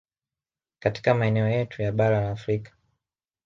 Katika maeneo yetu ya bara la Afrika